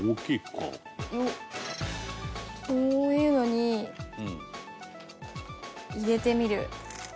こういうのに入れてみる。